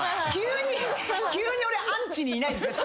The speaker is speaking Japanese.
急に俺アンチにいないですか？